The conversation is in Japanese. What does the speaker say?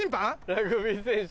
ラグビー選手。